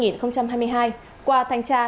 năm hai nghìn hai mươi hai qua thanh tra